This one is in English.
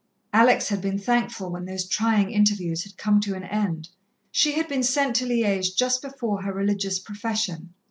Alex had been thankful when those trying interviews had come to an end she had been sent to Liège just before her religious profession.